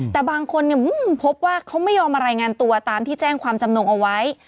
แต่บางคนพบว่าเขาไม่ยอมมารายงานตัวตามที่แจ้งความจำนงเอาไว้